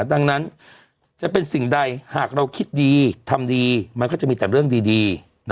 ดังนั้นจะเป็นสิ่งใดหากเราคิดดีทำดีมันก็จะมีแต่เรื่องดี